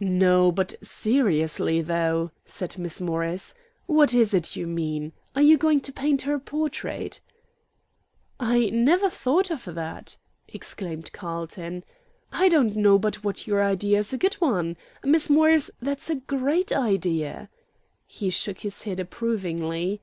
"No; but seriously, though," said Miss Morris, "what is it you mean? Are you going to paint her portrait?" "I never thought of that," exclaimed Carlton. "I don't know but what your idea is a good one. Miss Morris, that's a great idea." He shook his head approvingly.